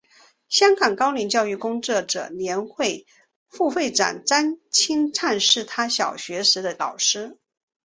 香港高龄教育工作者联会副会长张钦灿是他小学时的老师。